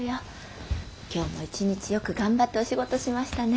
「今日も一日よく頑張ってお仕事しましたね」